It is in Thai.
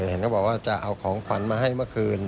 เห็นก็บอกว่าจะเอาของขวัญมาให้เมื่อคืน